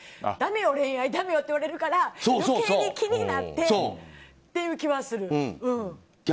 恋愛だめよって言われるから余計に気になってっていう気はする。